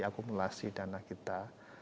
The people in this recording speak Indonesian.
jadi akumulasi dana kita